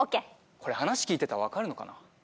これ話聞いてたらわかるのかな？